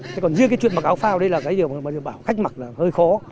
thế còn riêng cái chuyện mặc áo phao đây là cái gì mà mọi người bảo khách mặc là hơi khó